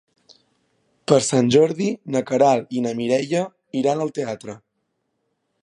Per Sant Jordi na Queralt i na Mireia iran al teatre.